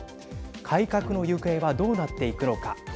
改革の行方はどうなっていくのか。